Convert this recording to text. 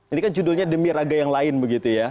ini kan judulnya demi raga yang lain begitu ya